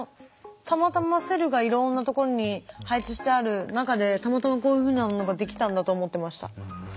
たまたまセルがいろんなところに配置してある中でたまたまこういうふうものなのが出来たんだと思ってました。